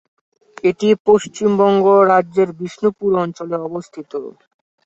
এটি পশ্চিমবঙ্গ রাজ্যের বিষ্ণুপুর অঞ্চলে অবস্থিত।